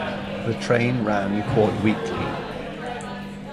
The train ran quad-weekly.